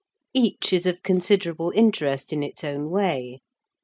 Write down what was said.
Each is of considerable interest in its own way.